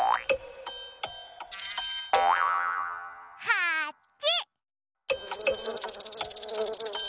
はち！